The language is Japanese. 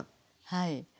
はい。